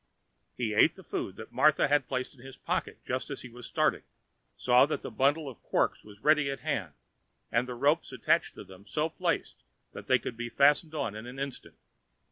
He ate the food which Marthe had put into his pocket just as he was starting; saw that the bundles of corks were ready at hand, and the ropes attached to them so placed that they could be fastened on in an instant.